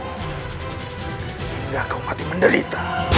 hingga kau mati menderita